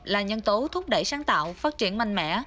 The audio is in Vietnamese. là nhân tố thúc đẩy sáng tạo phát triển mạnh mẽ